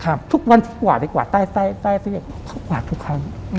ถามทุกวันที่กวาดดีกว่าใต้เขากวาดทุกครั้ง